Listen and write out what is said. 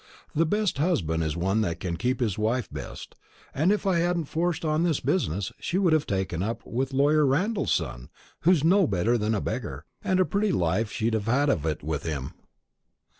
The best husband is the one that can keep his wife best; and if I hadn't forced on this business, she'd have taken up with lawyer Randall's son, who's no better than a beggar, and a pretty life she'd have had of it with him."